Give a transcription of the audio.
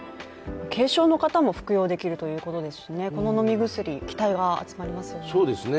軽症の方も服用できるということですのでこの飲み薬、期待が集まりますよね。